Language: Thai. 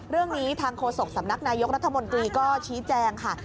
เรื่องนี้ทางโฆษกสำนักนายกรัฐมนตรีก็ชี้แจงค่ะ